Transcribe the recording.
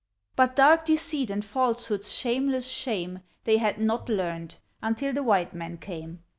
But dark deceit and falsehood's shameless shame They had not learned, until the white man came.